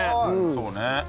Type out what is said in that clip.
そうね。